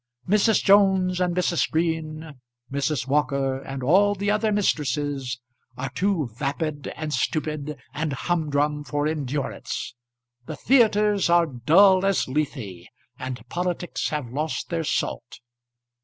Mrs. Jones and Mrs. Green, Mrs. Walker and all the other mistresses, are too vapid and stupid and humdrum for endurance. The theatres are dull as Lethe, and politics have lost their salt.